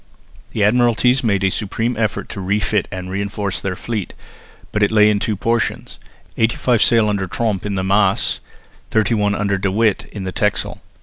The Admiralties made a supreme effort to refit and reinforce their fleet, but it lay in two portions; eighty five sail under Tromp in the Maas, thirty one under De With in the Texel.